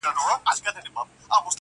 o د بخشش او د ستایلو مستحق دی,